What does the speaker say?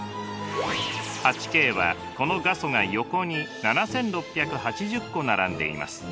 ８Ｋはこの画素が横に７，６８０個並んでいます。